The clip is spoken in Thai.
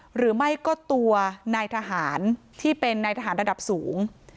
หรือไม่ก็ตัวนายทหารที่เป็นนายทหารระดับสูง